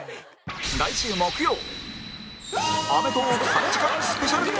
来週木曜『アメトーーク』３時間スペシャル